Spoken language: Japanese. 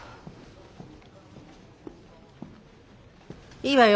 いいわよ。